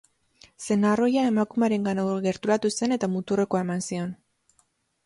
Senar ohia emakumearengana gerturatu zen eta muturrekoa eman zion.